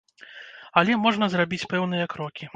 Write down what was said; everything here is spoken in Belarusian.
Але можна зрабіць пэўныя крокі.